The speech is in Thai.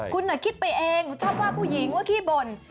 คุณคิดไปเองชอบว่าผู้หญิงว่าขี้บ่น